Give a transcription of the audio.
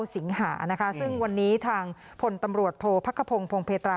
สิงหานะคะซึ่งวันนี้ทางพลตำรวจโทษพักขพงศ์พงเพตรา